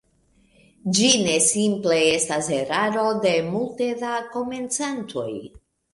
Ĝi ne simple estas eraro de multe da komencantoj.